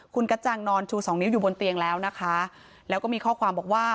คุณกระจังนอนชูสองนิ้วอยู่บนเตียงแล้วนะคะแล้วก็มีข้อความบอกว่า